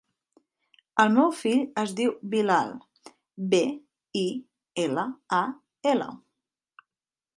El meu fill es diu Bilal: be, i, ela, a, ela.